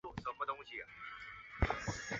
中华民国及满洲国政治人物。